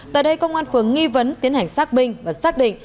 tại đây công an phường nghi vấn tiến hành xác minh và xác định